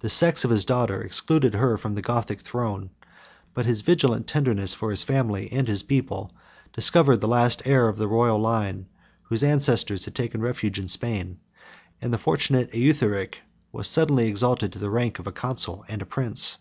The sex of his daughter excluded her from the Gothic throne; but his vigilant tenderness for his family and his people discovered the last heir of the royal line, whose ancestors had taken refuge in Spain; and the fortunate Eutharic was suddenly exalted to the rank of a consul and a prince.